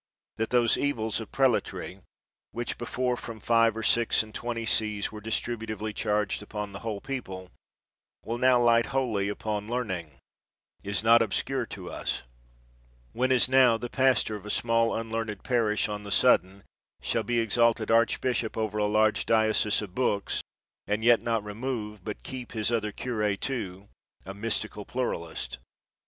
That those evils of prelatry, which before from five or six and twenty sees were distributively charged upon the whole people, will now light wholly upon learning, is not obscure to us: whenas now the pastor of a small unlearned parish on the sudden shall be exalted archbishop over a 103 THE WORLD'S FAMOUS ORATIONS large diocese of books, and yet not remove, but keep his other cure, too, a mystical pluralist.